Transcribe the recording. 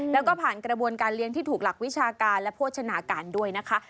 แล้วก็ผ่านกระบวนการเลี้ยงที่ถูกหลักวิชาการและโภชนาการด้วยนะคะ